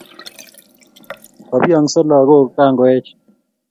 Kabiongso lagook kangoech